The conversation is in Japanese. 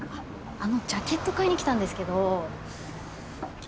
あのジャケット買いに来たんですけど。